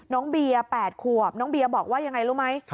น้องเบียร์๘ขวบน้องเบียบอกว่ายังไงรู้ไหม